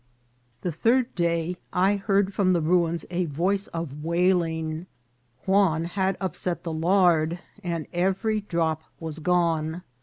THE third day I heard from the ruins a voice of wail ing. Juan had upset the lard, and every drop was gone.